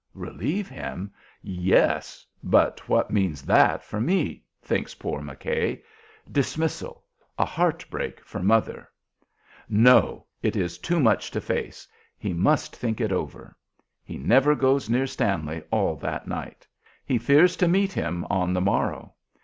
Relieve him? Yes; but what means that for me? thinks poor McKay. Dismissal; a heart break for mother. No! It is too much to face; he must think it over. He never goes near Stanley all that night. He fears to meet him, or the morrow.